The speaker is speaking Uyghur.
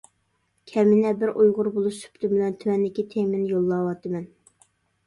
كەمىنە بىر ئۇيغۇر بولۇش سۈپىتىم بىلەن تۆۋەندىكى تېمىنى يوللاۋاتىمەن!